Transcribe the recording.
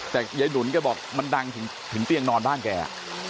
แต่ยายดุลแกบอกมันดังถึงเตียงนอนบ้านแก